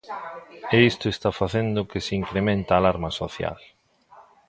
E isto está facendo que se incremente a alarma social.